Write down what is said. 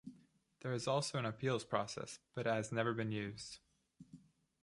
There is also an appeals process, but it has never been used.